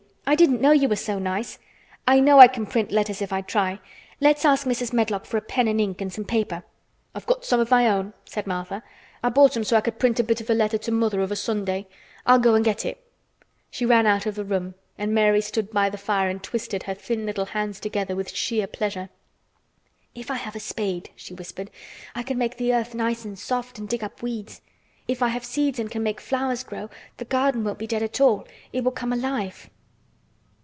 I didn't know you were so nice. I know I can print letters if I try. Let's ask Mrs. Medlock for a pen and ink and some paper." "I've got some of my own," said Martha. "I bought 'em so I could print a bit of a letter to mother of a Sunday. I'll go and get it." She ran out of the room, and Mary stood by the fire and twisted her thin little hands together with sheer pleasure. "If I have a spade," she whispered, "I can make the earth nice and soft and dig up weeds. If I have seeds and can make flowers grow the garden won't be dead at all—it will come alive."